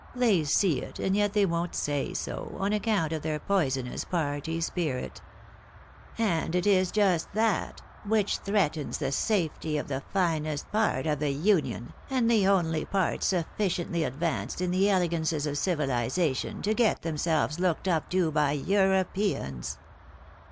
They see it, and yet tliey won't say so, on account of their poisonous party spirit. And it's just that, which threatens the safety of the finest part of the Union, and the only part sufliciently advanced in the elegances of civilisation to get themselves looked up to by Europeyans."